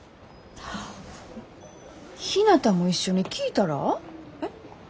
はっひなたも一緒に聴いたら？えっ？